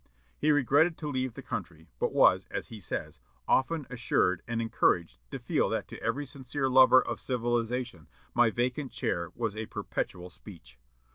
He regretted to leave the country, but was, as he says, "often assured and encouraged to feel that to every sincere lover of civilization my vacant chair was a perpetual speech."